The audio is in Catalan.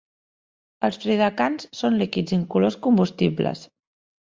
Els tridecans són líquids incolors combustibles.